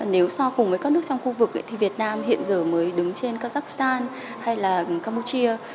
nếu so cùng với các nước trong khu vực thì việt nam hiện giờ mới đứng trên kazakhstan hay là campuchia